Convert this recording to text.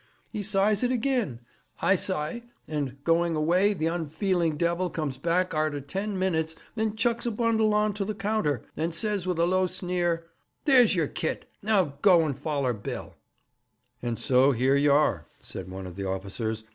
'He s'ys it ag'in, I s'y, and, going away, the unfeeling devil comes back arter ten minutes, and chucks a bundle on to the counter, and says, with a low sneer: "There's your kit. Now go and foller Bill."' 'And so here y'are,' said one of the officers.